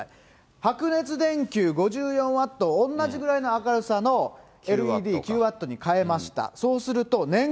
白熱電球５４ワット、同じぐらいの明るさのＬＥＤ９ワットに替えました。